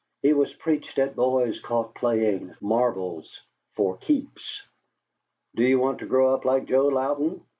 He was preached at boys caught playing marbles "for keeps": "Do you want to grow up like Joe Louden?"